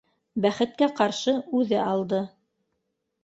Бәхеткә ҡаршы, үҙе алды